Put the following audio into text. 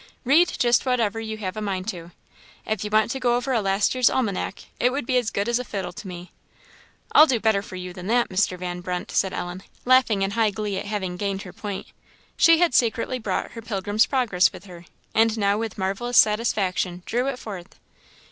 Read just whatever you have a mind to. If you was to go over a last year's almanac it would be as good as a fiddle to me." "I'll do better for you than that, Mr. Van Brunt," said Ellen, laughing in high glee at having gained her point. She had secretly brought her Pilgrim's Progress with her, and now with marvellous satisfaction drew it forth.